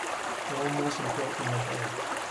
Rome wasn't built in a day.